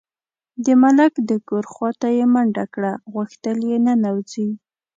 د ملک د کور خواته یې منډه کړه، غوښتل یې ننوځي.